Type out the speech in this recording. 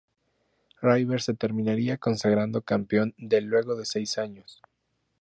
River se terminaría consagrando campeón del luego de seis años.